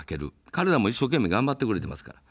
彼らも一生懸命、頑張ってくれてますから。